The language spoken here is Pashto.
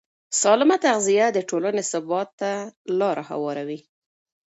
سالمه تغذیه د ټولنې ثبات ته لاره هواروي.